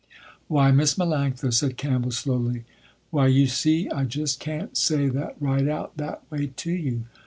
"Why, Miss Melanctha," said Campbell slowly, "why you see I just can't say that right out that way to you.